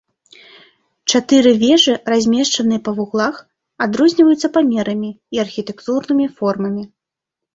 Чатыры вежы, размешчаныя па вуглах, адрозніваюцца памерамі і архітэктурнымі формамі.